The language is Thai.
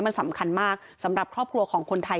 มันสำคัญมากสำหรับครอบครัวของคนไทย